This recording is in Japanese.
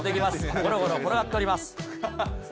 ごろごろ転がっております。